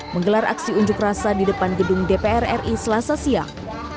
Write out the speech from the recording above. menggelar aksi unjuk rasa di depan gedung dpr ri selasa siang